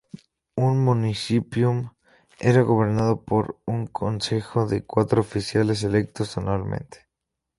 Un "municipium" era gobernado por un consejo de cuatro oficiales electos anualmente.